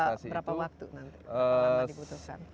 kira kira berapa waktu nanti